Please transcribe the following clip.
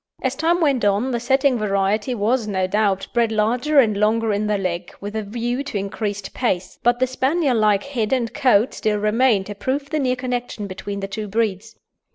As time went on, the setting variety was, no doubt, bred larger and longer in the leg, with a view to increased pace; but the Spaniel like head and coat still remain to prove the near connection between the two breeds.